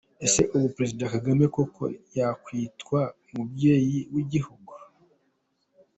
Ese ubu Perezida Kagame koko yakwitwa umubyeyi w’igihugu!!